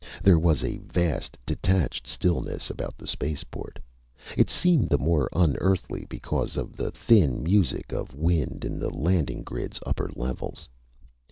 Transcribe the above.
There was a vast, detached stillness about the spaceport. It seemed the more unearthly because of the thin music of wind in the landing grid's upper levels.